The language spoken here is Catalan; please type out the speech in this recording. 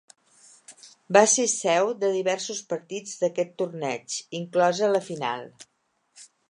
Va ser seu de diversos partits d'aquest torneig, inclosa la final.